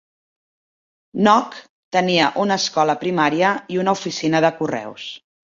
Knock tenia una escola primària i una oficina de correus.